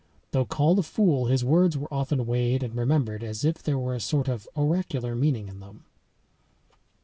Though called a fool, his words were often weighed and remembered as if there were a sort of oracular meaning in them.